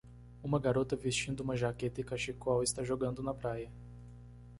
Uma garota vestindo uma jaqueta e cachecol está jogando na praia.